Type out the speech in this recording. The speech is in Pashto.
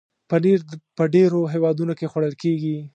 پنېر په ډېرو هېوادونو کې خوړل کېږي.